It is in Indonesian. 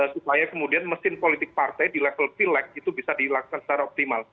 supaya kemudian mesin politik partai di level pileg itu bisa dilakukan secara optimal